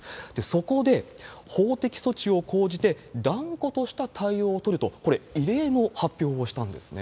そこで法的措置を講じて、断固とした対応を取ると、これ、異例の発表をしたんですね。